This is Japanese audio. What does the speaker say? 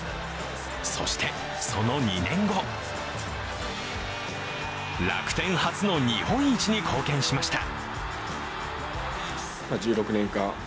そして、その２年後楽天初の日本一に貢献しました。